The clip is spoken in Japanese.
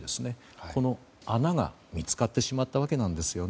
この穴が見つかってしまったわけなんです。